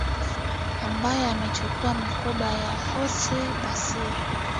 ambaye amechukua mikoba ya hosee bisir